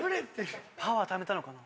パワーためたのかな。